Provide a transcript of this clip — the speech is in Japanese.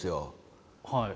はい。